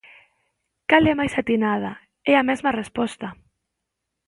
Cal é máis atinada? É a mesma resposta.